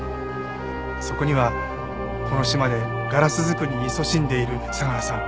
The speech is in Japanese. そこにはこの島でガラス作りにいそしんでいる相良さん